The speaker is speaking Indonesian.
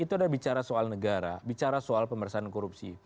itu ada bicara soal negara bicara soal pemerintahan korupsi